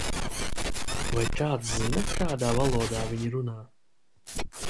Vai kāds zina, kādā valodā viņi runā?